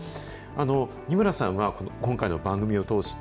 仁村さんは今回の番組を通して、